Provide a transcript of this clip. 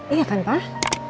iya kan pak